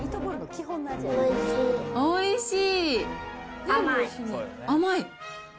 おいしい！